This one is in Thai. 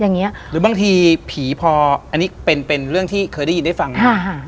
อย่างเงี้ยหรือบางทีผีพออันนี้เป็นเป็นเรื่องที่เคยได้ยินได้ฟังมาอ่าฮะ